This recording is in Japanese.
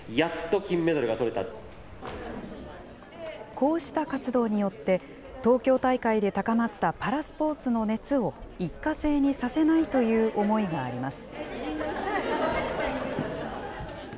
こうした活動によって、東京大会で高まったパラスポーツの熱を一過性にさせないという思いがあります。